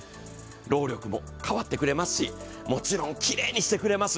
労力も代わってくれますし、もちろんきれいにしてくれます。